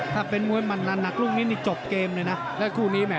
ถ้าเป็นมวยมันละหนักลูกนี้จบเกมเลยนะ